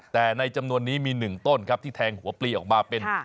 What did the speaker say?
แต่ในจำนวนนี้มี๑ต้นครับที่แทงหัวปลีออกมาเป็น